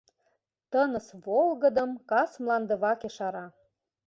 Тыныс волгыдым кас Мландываке шара.